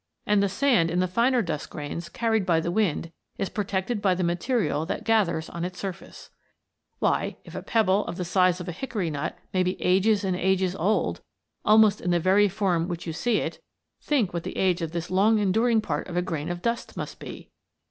And the sand in the finer dust grains carried by the wind is protected by the material that gathers on its surface. Why, if a pebble of the size of a hickory nut may be ages and ages old almost in the very form in which you see it, think what the age of this long enduring part of a grain of dust must be. "The Strange Adventures of a Pebble."